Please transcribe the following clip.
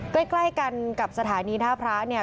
ใกล้กันกับสถานีท่าพระเนี่ย